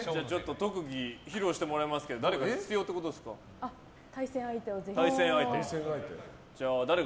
特技、披露してもらいますが誰か必要ということですか？